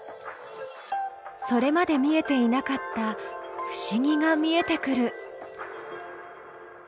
それまで見えていなかった不思議が見えてくる。